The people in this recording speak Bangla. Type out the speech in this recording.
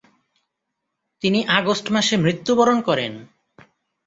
তিনি আগস্ট মাসে মৃত্যুবরণ করেন।